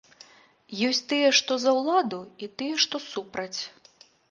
Ёсць тыя, што за ўладу і тыя, што супраць.